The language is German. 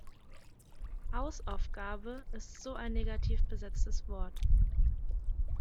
Hausaufgabe ist so ein negativ besetztes Wort.